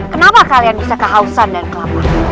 kenapa kalian bisa kehausan dan kelapa